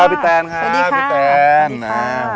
สวัสดีค่ะพี่แตมค่ะ